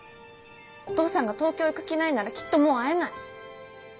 お父さんが東京行く気ないならきっともう会えない。